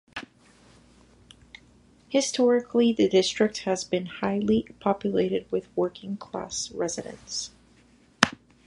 Historically, the district has been highly populated with working class residents.